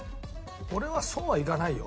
俺はそうはいかないよ。